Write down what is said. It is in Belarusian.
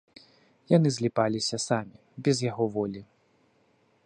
Яны зліпаліся самі, без яго волі.